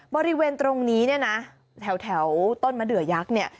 บริเวณตรงนี้เนี่ยนะแถวต้นมะเดือยักษ์เนี่ย